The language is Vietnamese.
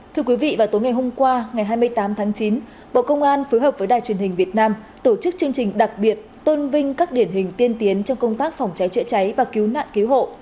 thưa quý vị vào tối ngày hôm qua ngày hai mươi tám tháng chín bộ công an phối hợp với đài truyền hình việt nam tổ chức chương trình đặc biệt tôn vinh các điển hình tiên tiến trong công tác phòng cháy chữa cháy và cứu nạn cứu hộ